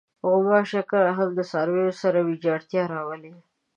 غوماشې کله هم د څارویو سره ویجاړتیا راولي.